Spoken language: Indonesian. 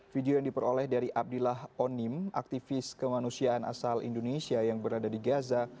video yang diperoleh dari abdillah onim aktivis kemanusiaan asal indonesia yang berada di gaza